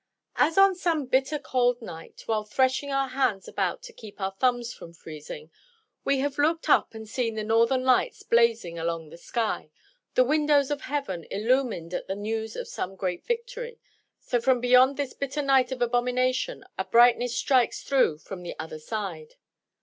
As on some bitter cold night, while threshing our hands about to keep our thumbs from freezing, we have looked up and seen the northern lights blazing along the sky, the windows of heaven illumined at the news of some great victory, so from beyond this bitter night of abomination a brightness strikes through from the other side.